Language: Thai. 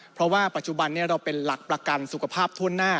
เพราะว่าปัจจุบันนี้เราเป็นหลักประกันสุขภาพทั่วหน้า